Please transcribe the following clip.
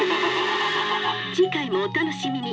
「次回もお楽しみに」。